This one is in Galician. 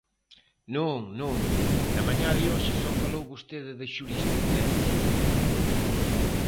Non, non, na mañá de hoxe só falou vostede de xurisprudencia.